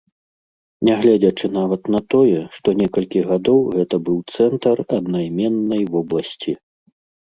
Нягледзячы нават на тое, што некалькі гадоў гэта быў цэнтр аднайменнай вобласці.